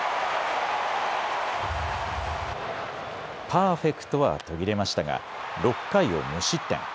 パーフェクトは途切れましたが６回を無失点。